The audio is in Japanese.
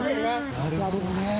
なるほどね。